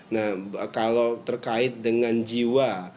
nah kalau terkait dengan jiwa